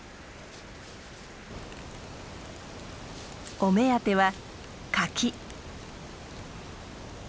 お目当ては柿。